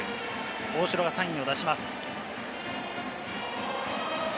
大城がサインを出します。